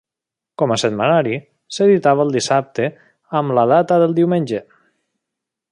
Com a setmanari, s'editava el dissabte amb la data del diumenge.